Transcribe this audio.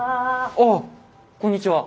ああこんにちは。